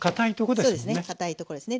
そうですねかたいところですね。